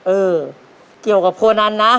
เออเกี่ยวกับโคนันนะ